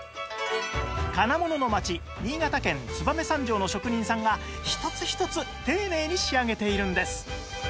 金物の街新潟県燕三条の職人さんが一つ一つ丁寧に仕上げているんです